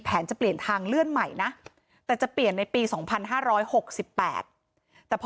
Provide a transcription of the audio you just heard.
จะเปลี่ยนทางเลื่อนใหม่นะแต่จะเปลี่ยนในปี๒๕๖๘แต่พอ